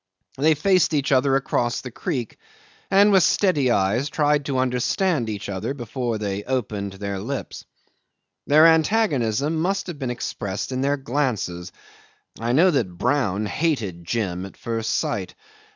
They faced each other across the creek, and with steady eyes tried to understand each other before they opened their lips. Their antagonism must have been expressed in their glances; I know that Brown hated Jim at first sight.